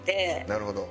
なるほど。